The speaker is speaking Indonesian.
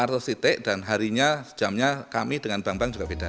seratus titik dan harinya jamnya kami dengan bank bank juga beda